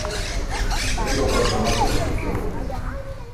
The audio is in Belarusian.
Трэба працаваць у гэтым кірунку.